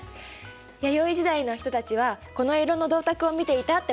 弥生時代の人たちはこの色の銅鐸を見ていたってことなんだね。